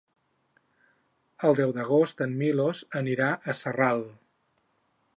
El deu d'agost en Milos anirà a Sarral.